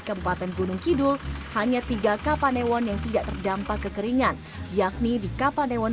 kabupaten gunung kidul hanya tiga kapanewon yang tidak terdampak kekeringan yakni di kapanewon